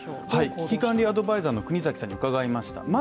危機管理アドバイザーの国崎さんに伺いました